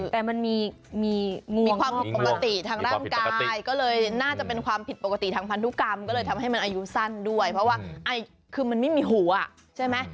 แต่มันมีมีความปกติทางร่างกาย